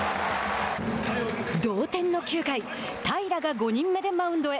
同点の９回平良が５人目でマウンドへ。